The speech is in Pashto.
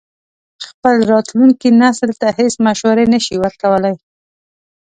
خپل راتلونکي نسل ته هېڅ مشورې نه شي ورکولای.